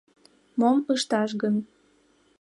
Мом ышташ гын?